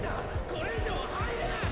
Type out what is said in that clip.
これ以上は入れない！